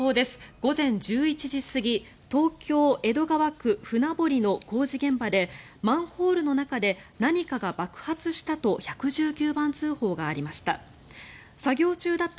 午前１１時過ぎ東京・江戸川区船堀の工事現場でマンホールの中で何かが爆発したと１１９番通報がありました。